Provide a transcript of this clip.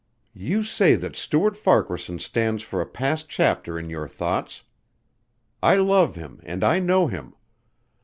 "You say that Stuart Farquaharson stands for a past chapter in your thoughts. I love him and I know him.